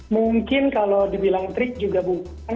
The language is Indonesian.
mungkin kalau dibilang trik juga bukan